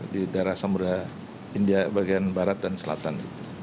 di daerah samudera india bagian barat dan selatan